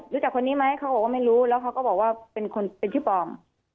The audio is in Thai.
รู้จักคนนี้ไหมเขาบอกว่าไม่รู้แล้วเขาก็บอกว่าเป็นคนเป็นชื่อปลอม